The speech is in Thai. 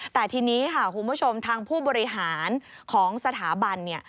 แต่ทีนี้คุณผู้ชมทางผู้บริหารของสถาบัน